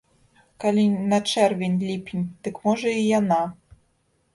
Калі на чэрвень, ліпень, дык можа і яна.